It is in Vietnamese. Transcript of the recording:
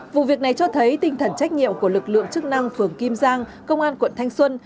vụ việc này cho thấy tinh thần trách nhiệm của lực lượng chức năng phường kim giang công an quận thanh xuân